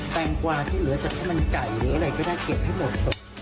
แตงกวาที่เหลือจากข้าวมันไก่หรืออะไรก็ได้เก็บให้หมด